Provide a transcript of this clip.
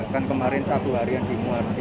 kan kemarin satu harian dimuarti